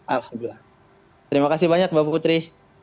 alhamdulillah terima kasih banyak mbak putri